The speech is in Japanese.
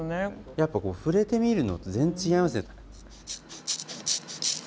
やっぱ触れてみるのって全然違いますね。